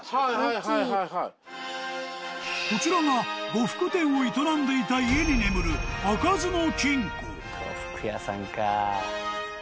［こちらが呉服店を営んでいた家に眠る］ですね。